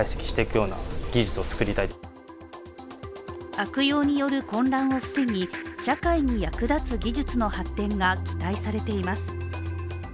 悪用による混乱を防ぎ、社会に役立つ技術の発展が期待されています。